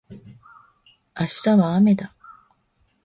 明日はあめだ